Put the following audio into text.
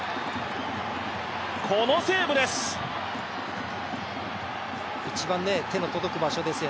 このセーブです。